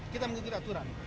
kita mengikuti aturan